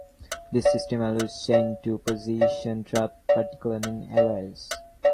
This system allows Shane to position trapped particles in arrays.